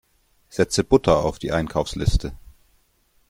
Setze Butter auf die Einkaufsliste!